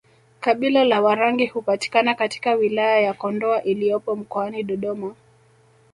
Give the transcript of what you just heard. Kabila la Warangi hupatikana katika wilaya ya Kondoa iliyopo mkoani Dodoma